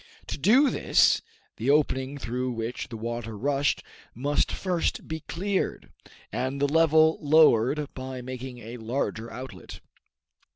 To do this, the opening through which the water rushed must first be cleared, and the level lowered by making a larger outlet.